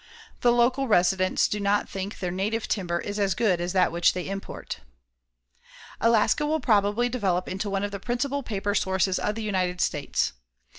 The local residents do not think their native timber is as good as that which they import. Alaska will probably develop into one of the principal paper sources of the United States.